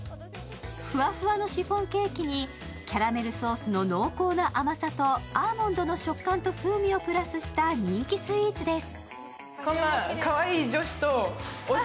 ふわふわのシフォンケーキにキャラメルソースの濃厚な甘さとアーモンドの食感と風味をプラスした人気スイーツです。